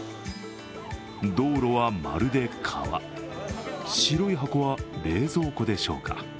道路は、まるで川、白い箱は冷蔵庫でしょうか。